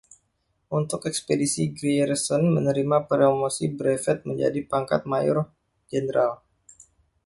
Untuk ekspedisi ini Grierson menerima promosi brevet menjadi pangkat mayor jenderal.